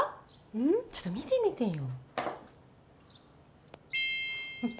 ちょっと見てみてよ